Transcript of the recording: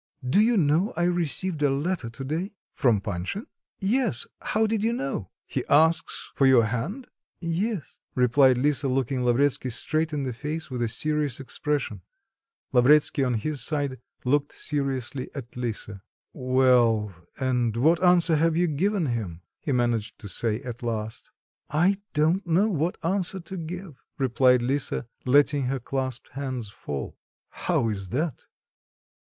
Do you know I received a letter today?" "From Panshin?" "Yes. How did you know?" "He asks for your hand?" "Yes," replied Lisa, looking Lavretsky straight in the face with a serious expression. Lavretsky on his side looked seriously at Lisa. "Well, and what answer have you given him?" he managed to say at last. "I don't know what answer to give," replied Lisa, letting her clasped hands fall. "How is that?